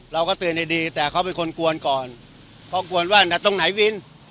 เราก็เตือนดีดีแต่เขาเป็นคนกวนก่อนเขากวนว่าดัดตรงไหนวิน